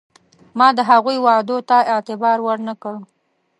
ما د هغوی وعدو ته اعتبار ور نه کړ.